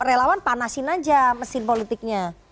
relawan panasin aja mesin politiknya